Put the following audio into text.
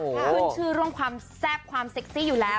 ขึ้นชื่อเรื่องความแซ่บความเซ็กซี่อยู่แล้ว